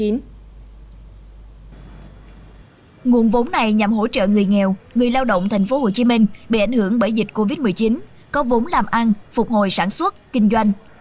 nguồn vốn này nhằm hỗ trợ người nghèo người lao động tp hcm bị ảnh hưởng bởi dịch covid một mươi chín có vốn làm ăn phục hồi sản xuất kinh doanh